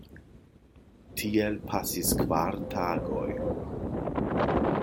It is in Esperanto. Tiel pasis kvar tagoj.